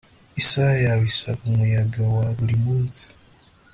Isaha yawe isaba umuyaga wa buri munsi